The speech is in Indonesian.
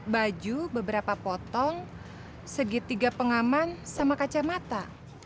baju beberapa potong segitiga pengaman sama kacamata